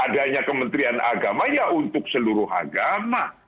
adanya kementerian agama ya untuk seluruh agama